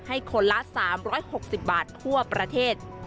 คนละ๓๖๐บาททั่วประเทศ